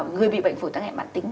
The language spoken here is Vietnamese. người bị bệnh phối tăng hẹn bản tính